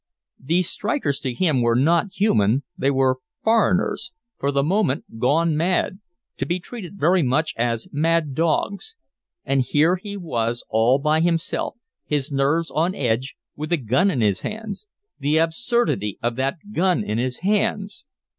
These strikers to him were not human, they were "foreigners," for the moment gone mad, to be treated very much as mad dogs. And here he was all by himself, his nerves on edge, with a gun in his hands. The absurdity of that gun in his hands!